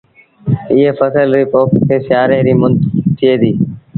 ايٚئي ڦسل ريٚ پوک با سيآري ريٚ مند ٿئي ديٚ